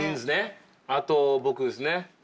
あと僕ですね